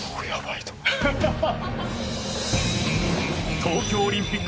東京オリンピック